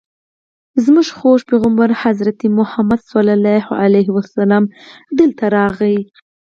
زموږ خوږ پیغمبر حضرت محمد صلی الله علیه وسلم دلته راغی.